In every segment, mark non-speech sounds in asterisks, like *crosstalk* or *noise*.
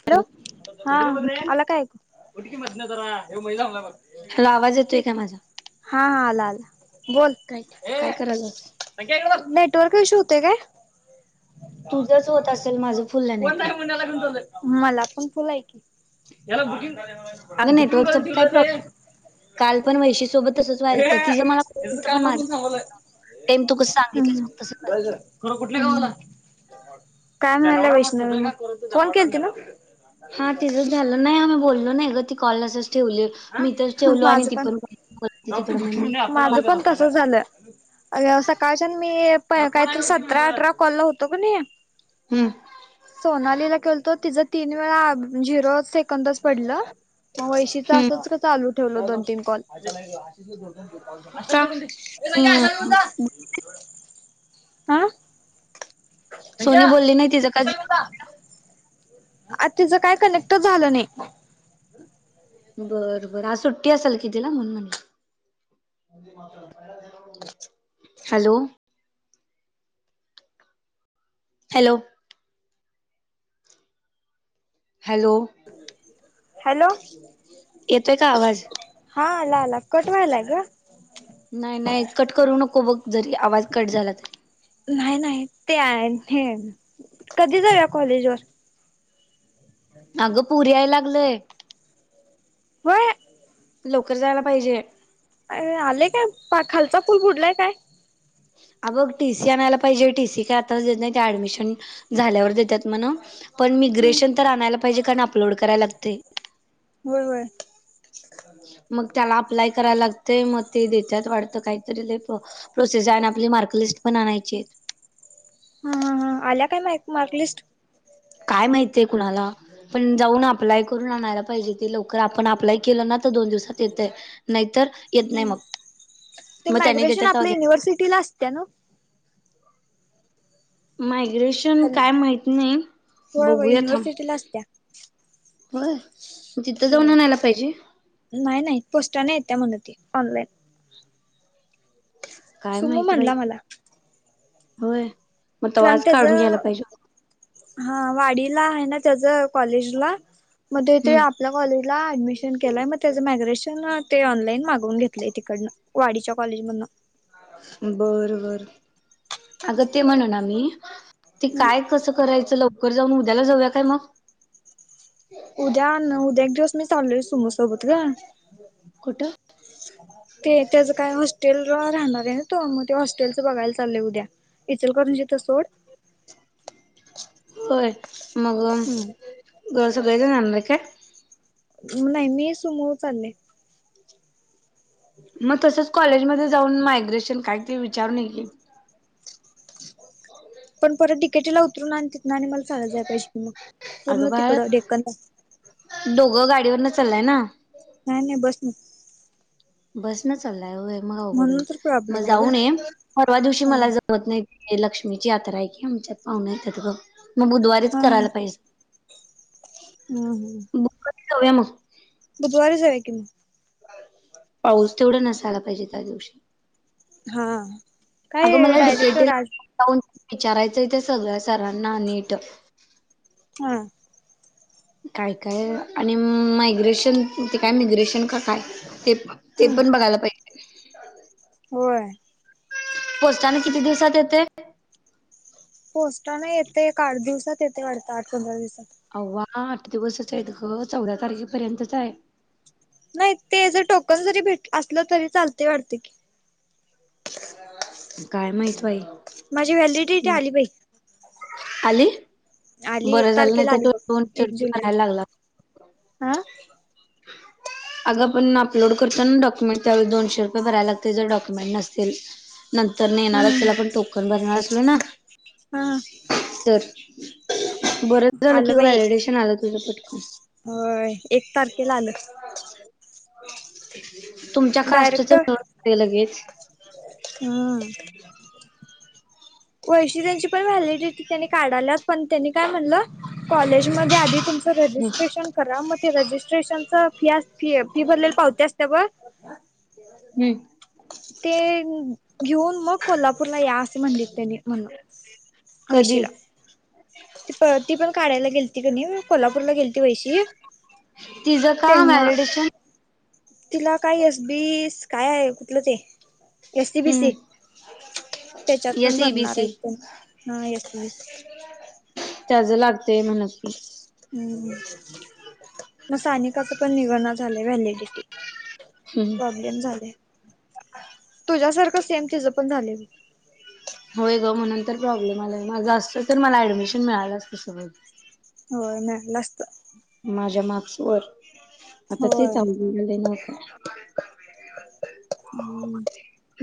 Hello हाे मलां कायं ऐकड मं तरं महिला होत्यां मलां हलां आवांज येतोय कां माझां हां हां आलां काय बोलं काय करायलास नेटवर्क ईशू होते कायं तुझंच होत असेल माझं फुल आहे नेटवर्क कोणंला मलां पणं फुलां आहे की यांला बुकिंग बुकिंग करूंन ठेवल कांल पणं वैशी सोबतं तंच हे व्हायचं तिझं मलां याच काम पणं म्हणून माझं थांबवलंय. ते मी तू की सांगितलेच बघं तसं कुठं कायं म्हणाली वैशणवी हां तचंच झालं नाहीं आम्हीं बोललो नाहीं गं ती कॉल असंच ठेवली आहे मी तरं जेवलो आणि माझं ती पण पणं डॉक्टर तिकडं मणं मी पाठवणे आपण माझं पणं तसं झालं अं सकाळंच्या मी कायं तूं सतरा अठरा कॉल होतो कां नाहीं हां हम्म सोनालीला खतो ति तीन वेळां झरो बंदचं पडलं मंग वैशीचं हम्म असंच चालूं ठेवलं दोन तीनं कॉल असंशाल का तोडूंन दे सांगा असंशाल तोडूंन हम्म दे हं सोनी बोलली नाहीं तिचं कां आशाला आंता तिचं कायं कनेक्ट झालं नाहीं बरं बरं आंज सुट्टी असांल कि तिलां म्हं म्हंणे हॅलो हॅलो. हॅलो, हॅलो येतोय का आवाज? हा आला, आला कट व्हायला ग. नाही, नाही कट करू नको बघ जरी आवाज कट झाला तरी. नाही, नाही ते आहे कधी जाऊया कॉलेजवर? अगं पुरी यायला लागलय. होय. लवकर जायला पाहिजे. अ आले काय पा खालचा फूल बुडलाय काय? अ बघ टी सी आणायला पाहिजे टी सी का आताच देत नाही ऍडमिशन झाल्यावर देतात म्हण. पण मी हम्म ग्रेशन तर आणायला पाहिजे कारण अपलोड करायला लागते. होय, होय. मग त्याला अप्लाय करायला लागत मग ते देतात वाटत काहीतरी प्रोसेस ते मार्क लिस्ट पण आणायची ये. ह, ह, ह आल्या काय माइक मार्क लिस्ट? काय माहित आहे कुणाला. पण जाऊन अप्लाय करून आणायला पाहिजे ते लवकर आपण अप्लाय केलं ना तर दोन दिवसात येतय. नाहीतर येत नाही मग ते मग त्याने मायग्रेशन देतात आपल्या युनिव्हर्सिटीला असते ना? मायग्रेशन हॅलो काय माहत नाही होय होय बघूया थांब युनिव्हर्सिटीला असत्या. होय, तु तिथं जाऊन होय आणयला पाहिजे? नाही, नाही पोस्टा नाही येत्या म्हण ते ऑनलाईन. काय सुमू माहित बाई, म्हणला मला होय. मग कारण तवाच त्याच काढून घ्यायला पाहिजे हा वाडीला आहे ना त्याच कॉलेजला मध्ये ते हम्म आपल्या कॉलेजला ऍडमिशन केलाय म त्याचं मायग्रेशन ते ऑनलाईन मागून घेतलंय तिकडन वाडीच्या कॉलेजमधन. बर, बर अगं ते म्हणोना मी ते काय कसं करायच लवकर जाऊन उद्याला जाऊया काय मग? उद्या ना उ उद्या एक दिवस मी चालोय हे सुमोसोबत ग. कुठ? ते त्याचं काय हॉस्टेलवर राहणार आहे ना तो मग ते हॉस्टेलचं बघायला चाललंय उद्या. इचल करूनजीच सोड होय मग ह गर सगयच जाणार काय? नाही मी समुहु चालले. मग तसच कॉलेजमध्ये जाऊन मायग्रेशन काय ते विचारूनी येईल की. पण परत तिकेटीला उतरून आणि तिथं आणि मला चाललं जाय पाहिजे की मग पूर्ण अगं बाळ तिकडं डेकनंद दोघं गाडीवर न चाललंय ना? नाही, नाही बस नी. बस न चाललाय होय मग अघड म्हणून होईल तर मग प्रॉब्लेम आहे ग. जाऊन ये परवा दिवशी हा मला ज लक्ष्मीची यात्रा आहे की आमच्यात पाहुणे येतात ग मग बुधवारी तेच हा करायला पाहिजे. हम्म, हम्म. बुक करुन जाऊया मग. बुधवार जाऊया की मग. पाऊस तेवढा नसायला पाहिजे त्या दिवशी. हां अगं मलां डपेटीला जाऊंन विचारायचंय ते सगळ्यां सरांना नीट हां कायं कायं आणि मायग्रेशन ते कायं मिग्रेशन कां कायं ते पणं ते हम्म पणं बघांयला पाहिजे होयं पोस्टांन किती दिवसांत येते पोस्टां नां येते एक आठ दिवसांत येते वाढतं आठ पंधरा दिवसांत अववां आठ दिवसचं आहेतं गं चौदा तारखेपर्यंतच आहे नाहीं तेजं अं टोकंन जरी भेटं असलं तरी चालते वाटते की कायं माहित बाई माझी व्हॅलिडिटी इथं आली पाहि आली आली एक बरं झालं नाही तारखेला तर आली तो बघं दोनशे एक रुपये भरायला लागला. जुलैला आं अगं आपणं अपलोड करतां नाडॉक्युमेंट त्यांव दोनशे रुपये भरांयला लागते जरं डॉक्युमेंट नसतील तरं नंतर नं ह येणांरच त्यांला पणं टोकंन भरणांर असतील नां हम्मं तरं बरं झालं कि व्हॅलिडेशन आलं तुझं साठी होयं एक तारखेला आलं तुमच्यां कास्टंच होतं लगेचं हम्मं वैशी त्यांची पणं व्हॅलिडिटी त्यांनी काढाल्यां पणं त्यांनी कायं म्हणलं कॉलेज मध्यें मं आंधी तुमचं हम्म रजिस्ट्रेशन करां मंग ते रजिस्ट्रेशन फी फी फी भरलेल पावते असतांत बरं हम्म. ते घेऊन मंग कोल्हापूरला यां असं म्हणले ते त्यांनी म्हणूंन कधी ळशीला ते पणं ती पणं काढांयला गेलती कांणी मी कोल्हापूरला गेलती वैशी तिचं का तेंव्हां व्हॅलिडेशन तिलां कायं एस बीस कायं आहे कुंठलं ते एससीबीसी हम्म त्यांच्यातून एस भरणांर ईबीसी आहेतं फाम हं एससी बीसी त्यांचं लागतेय म्हणूंन हम्मं मंग साथनिकांच पणं निघणं झालंय व्हॅलिडिटी हम्म प्रॉब्लेम झाले तुझ्यांसारखं सेम ति पणं झाले होयं गं म्हणूंन तरं प्रॉब्लेम आंलाय माझं अस्तं तरं मलां ऍडमिशन मिळालंच तसंई होयं नाहीं नस्तं माझ्यां मार्क्स वरं आंता होय तेचंले नं कां हम्मं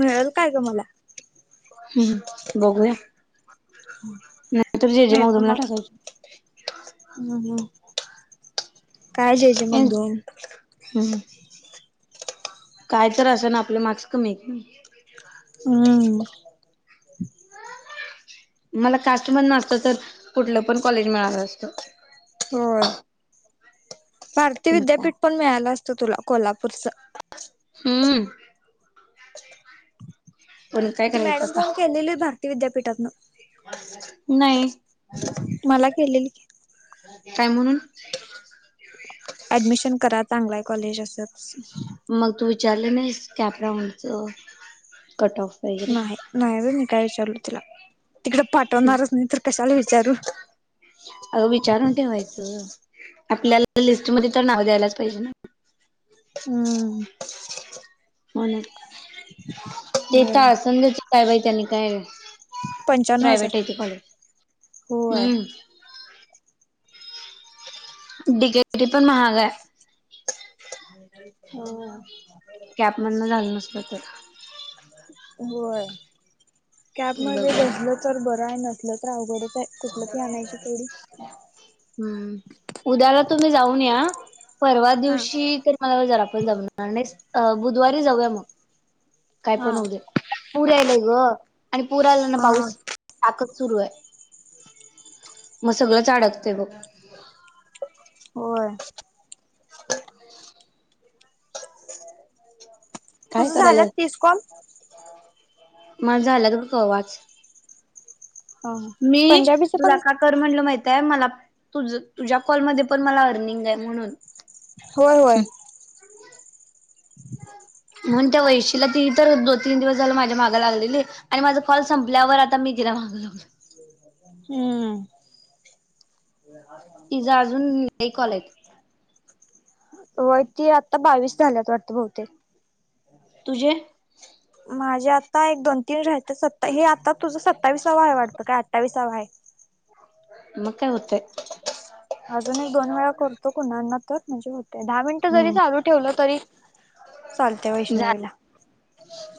मिळेलं कायं कां गं मलां हम्मं बघूंया नाहीं तरुं जेजे मंग तुम्हांला टाकायचं हम्मं हम्मं हं हम्मं कायं तरं असां नां आपले मार्क्स कमी आहेतं हम्मं मलां कास्टं मणं नाचंत तरं कुंठलं पणं कॉलेज मिळालं असतं होयं भारतीय पण काय विद्यांपीठ पणं मिळालं असतं तुलां कोल्हापूरचं हम्मं ती मॅडम पोन केलेली आहे भारती विद्यांपीठांत नाही. मला केलेली. काय म्हणून? ऍडमिशन करा चांगलाय कॉलेज असच. मग तू विचारले नाहीस कॅपराऊंडच कट ऑफ. वगैरे नाही, नाही रे मी काय विचारलो तिला तिकडे पाठवणारच नाही तर कशाला विचारू. अग विचारून ठेवायचं आपल्याला लिस्ट मध्ये तर नाव द्यायलाच पाहिजे ना. हम्म. हो ते तर सजाच काय बाहि त्यांनी काय पंच्यानंऊ हजार प्रायव्हेट आहे ते कॉलेज होय. हम्म डिगेरीग पण महागा आहे. हो.. कॅप मधन झालं नसत तर. होय, कॅब मध्ये बघूया बसलं तर बरं आहे नसल तर अवघड हम्म उद्याला तुम्ही जाऊन या. परवा हा दिवशी तर मला जरा आपण जमणार नाही बुधवारी जाऊया मग. काय हा पण होऊ दे पूर आयलाय ग आणि पूर आला ना हा पाऊस ताकद सुरू आहे मग सगळंच अडकते बघ होय. काय तुझं झालं कराल्यात? तीस कॉल माझं झालात ग कवाच. मी पंजाबीच तुला पण काल कर म्हटलं माहितय मला तुझ, तुझ्या कॉल मध्ये पण मला अर्निंग आहे म्हणून. होय, होय. म्हणून त्या वैशीला ती तर दोन, तीन दिवस झालं माझ्या माग लागलेली. आणि माझा कॉल संपल्यावर आता मी तिला माग लागलोय. हम्म‌. तिचा अजून एक कॉल आहे. व्हय की आत्ता बावीस झाल्यात वाटत बहुतेक. तुझे? माझे आता एक, दोन, तीन राते सत्ता हे आता तुझा सत्तावीसावा आहे वाटतं काय? अठ्ठावीसावा आहे. म काय होतय. अजून एक, दोन वेळा करतो कणाना तर म्हणजे होते दहा मिनिटं जरी चालू ठेवलं तरी चालते झाले, वैष्णवीला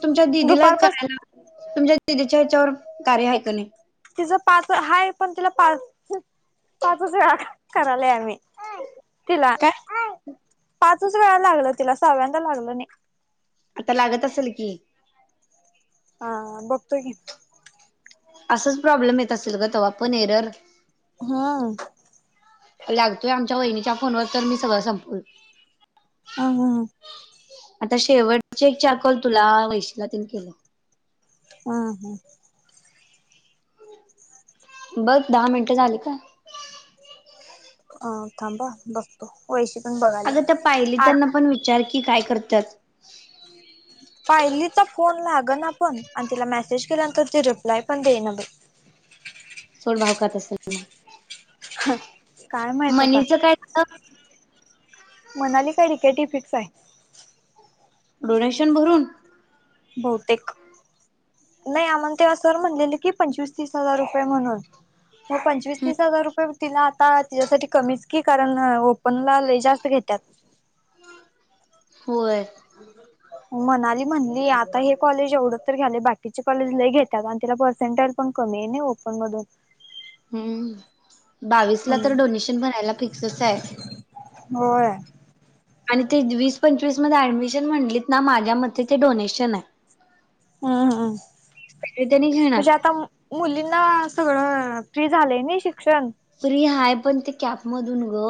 तुमच्या दिदीला दुपारपास करायला लावा. तुमच्या दीदीच्या हेच्यावर कार्य आहे का नाही? तिचं पाच हा पण तिला पाच पाचच वेळा करालय आम्ही. तिला काय पाचच वेळा लागल तिला सहाव्यांदा लागलं नाही. आता लागत असेल की. हा बघतो की. असंच प्रॉब्लेम येत असेल ग तव्हा पण एरर हा. लागतोय आमच्या वहिणीच्या फोनवर तर मी सगळं संपून ह ह. आता शेवटचे एक, चार कॉल तुला वैशीला तिन केलय. अ ह हा. बघ दहा मिनटं झाली का अ थांबा बघतो वैशी पण बघाल्या अगं त्या पायली आठ त्यांना पण विचार की काय करतात? पायलीचा फोन लागना पण आणि तिला मेसेज केल्यानंतर ती रिप्लाय पण देईना बाई. सोड भाव खात असेल. हा. मनीचं काय झालं? मनाली *unintelligible* डोनेशन भरून? बहुतेक. नाही आम्हाला तेव्हा सर म्हणलेलं की पंचवीस तीस हजार रुपये म्हणून. मग पंचवीस तीस हजार रुपये तिला आता. तीज्यासाठी कमीच की कारण ओपन लाय जास्त घेतात. होय. मनाली म्हणली आता हे कॉलेज एवढं तर घ्याले बाकीचे कॉलेज लय घेतात आणि तिला पर्सेंटेज पण कमी नाही ओपन मधून. हम्म बावीस ला तर म्हणून. डोनेशन भरायला फिक्सच हाय. होय. आणि ते वीस पंचवीस मध्ये ऍडमिशन म्हणलीत ना माझ्या मते ते डोनेशन आहे. हम्मम्मम् आहे त्यांनी घेणार म्हणजे आता मुलींना सगळं फ्री झालंय नी शिक्षण. फ्री हाय पण ते कॅप मधून ग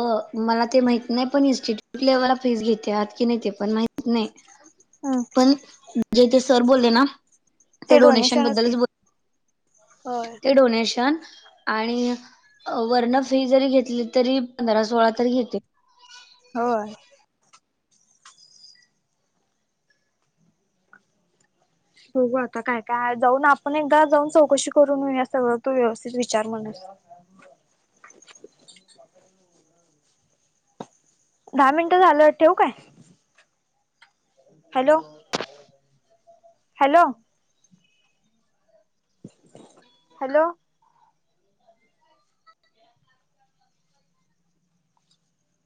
मला ते माहित नाही पण *inaudible* फीस घेते की नाही पण माहित नाही हा. पण जे ते सर बोलले ना ते डोनेशन डोनेशनच की बद्दलच बो होय. ते डोनेशन आणि वरन फी जरी घेतली तरी पंधरा सोळा तरी घेते. होय. बघू आता काय काय हाय जाऊन आपण एकदा जाऊन चौकशी करून येऊया सगळं तू व्यवस्थित विचार म्हणस दहा मिनटं झालं ठेवु काय? हॅलो! हॅलो! हॅलो! *inaudible*